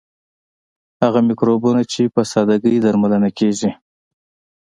هغه مکروبونه چې په ساده ګۍ درملنه کیږي.